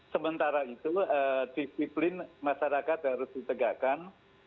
sementara itu disiplin masyarakat harus ditegakkan